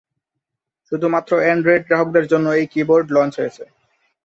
শুধুমাত্র অ্যান্ড্রয়েড গ্রাহকদের জন্য এই কি-বোর্ড লঞ্চ হয়েছে।